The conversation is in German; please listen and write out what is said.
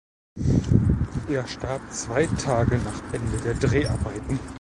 Er starb zwei Tage nach Ende der Dreharbeiten.